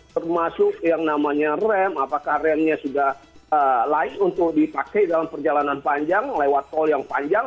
termasuk yang namanya rem apakah remnya sudah layak untuk dipakai dalam perjalanan panjang lewat tol yang panjang